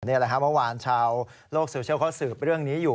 นี่แหละครับเมื่อวานชาวโลกโซเชียลเขาสืบเรื่องนี้อยู่